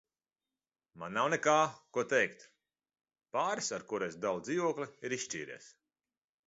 Man nav nekā, ko teikt. Pāris, ar kuru es dalu dzīvokli, ir izšķīries.